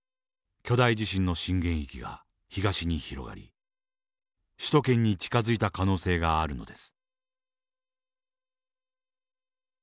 巨大地震の震源域が東に広がり首都圏に近づいた可能性があるのです。